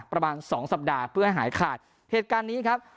ประมาณสองสัปดาห์เพื่อให้หายขาดเหตุการณ์นี้ครับ